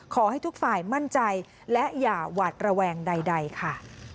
ขอให้ทุกฝ่ายมั่นใจและอย่าหวาดระแวงใดค่ะ